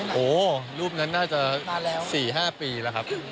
โหรูปนั้นน่าจะ๔๕ปีแล้วครับ